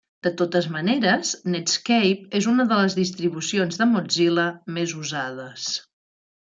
De totes maneres, Netscape és una de les distribucions de Mozilla més usades.